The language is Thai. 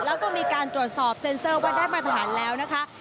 แล้วก็มีการตรวจสอบเซ็นเซอร์ว่าได้มาตรฐานแล้วนะคะ